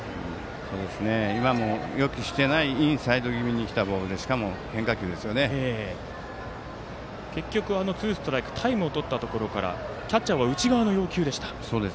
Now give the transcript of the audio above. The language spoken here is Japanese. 今のも予期してないインサイド気味のボールで結局はツーストライクタイムをとったところからキャッチャーは内側の要求でした。